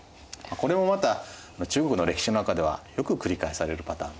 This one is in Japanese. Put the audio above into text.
これもまた中国の歴史の中ではよく繰り返されるパターンなんですね。